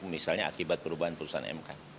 misalnya akibat perubahan perusahaan mk